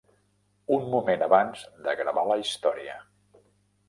Un moment abans de gravar la història.